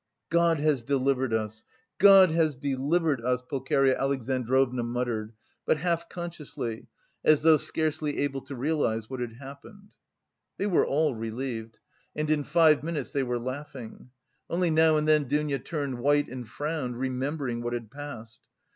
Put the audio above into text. "God has delivered us! God has delivered us!" Pulcheria Alexandrovna muttered, but half consciously, as though scarcely able to realise what had happened. They were all relieved, and in five minutes they were laughing. Only now and then Dounia turned white and frowned, remembering what had passed.